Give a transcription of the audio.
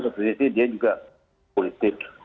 satu sisi dia juga politik